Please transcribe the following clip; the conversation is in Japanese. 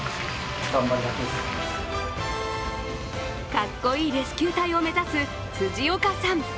かっこいいレスキュー隊を目指す辻岡さん。